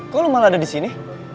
kok lo malah ada di sini